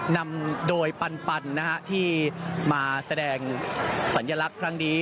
นำโดยปันที่มาแสดงสัญลักษณ์ครั้งนี้